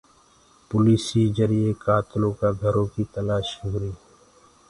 پوليسيٚ جرئي ڪآتلو ڪآ گھرو ڪيٚ تلآسيٚ هوُري۔